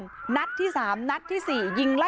มีชายแปลกหน้า๓คนผ่านมาทำทีเป็นช่วยค่างทาง